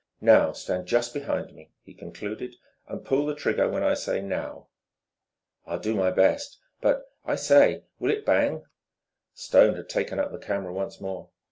"Now just stand behind me," he concluded, "and pull the trigger when I say 'now'." "I'll do my best, but I say will it bang?" Stone had taken up the camera once more.